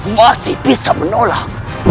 masih bisa menolak